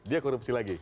dia korupsi lagi